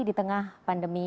di tengah pandemi